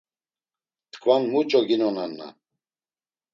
Tkvan muç̌o ginonanna.